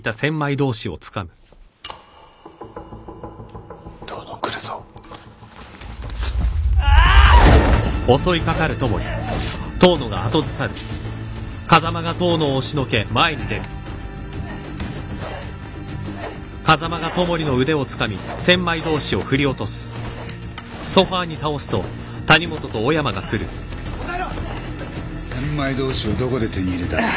千枚通しをどこで手に入れた？